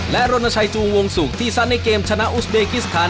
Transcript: และรณชัยจูวงศุกร์ที่สั้นในเกมชนะอุสเบกิสถาน